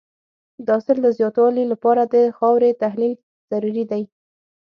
د حاصل د زیاتوالي لپاره د خاورې تحلیل ضروري دی.